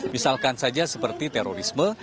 misalkan saja seperti terorisme